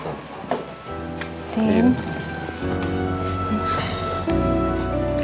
iya tadi randik